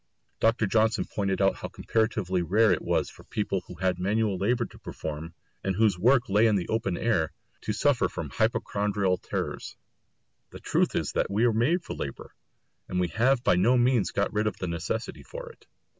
Dr. Johnson pointed out how comparatively rare it was for people who had manual labour to perform, and whose work lay in the open air, to suffer from hypochondriacal terrors. The truth is that we are made for labour, and we have by no means got rid of the necessity for it.